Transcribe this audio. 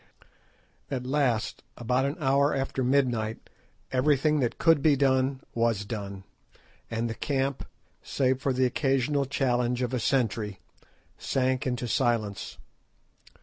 At last, about an hour after midnight, everything that could be done was done, and the camp, save for the occasional challenge of a sentry, sank into silence.